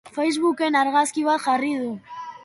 Facebook-en argazki bat jarri du.